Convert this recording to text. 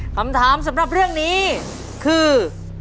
คำถามสำหรับเรื่องนี้คือ